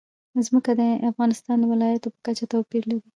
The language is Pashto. ځمکه د افغانستان د ولایاتو په کچه توپیر لري.